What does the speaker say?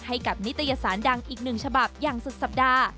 ให้กับนิตยสารดังอีกหนึ่งฉบับอย่างสุดสัปดาห์